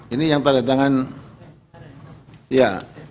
ini yang tandatangan ya